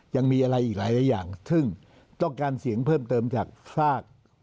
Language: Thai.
ยังมีอะไรอีกหลายอย่างซึ่งต้องการเสียงเพิ่มเติมจากฝาก